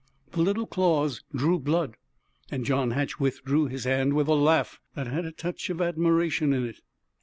The little claws drew blood, and John Hatch withdrew his hand with a laugh that had a touch of admiration in it.